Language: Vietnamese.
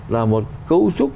là một cấu trúc